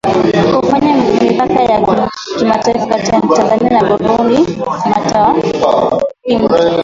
hufanya mipaka ya kimataifa kati ya Tanzania na BurundiMatawimto